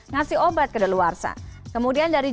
ngasih obat ke deluarsa kemudian dari